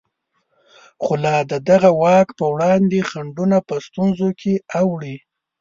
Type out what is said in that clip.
خو لا د دغه واک په وړاندې خنډونه په ستونزو کې اوړي.